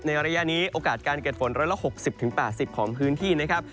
ระยะนี้โอกาสการเกิดฝน๑๖๐๘๐ของพื้นที่นะครับ